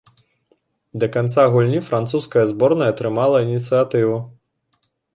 Да канца гульні французская зборная трымала інцыятыву.